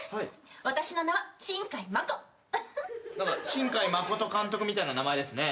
新海誠監督みたいな名前ですね。